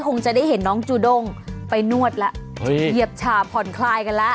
คงจะได้เห็นน้องจูด้งไปนวดแล้วเหยียบชาผ่อนคลายกันแล้ว